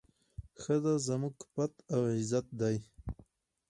ښځه زموږ پت او عزت دی.